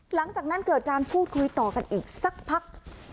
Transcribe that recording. หลังจากนั้นเกิดการพูดคุยต่อกันอีกสักพัก